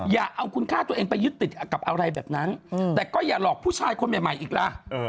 อย่าเอาคุณค่าตัวเองไปยึดติดกับอะไรแบบนั้นแต่ก็อย่าหลอกผู้ชายคนใหม่อีกล่ะ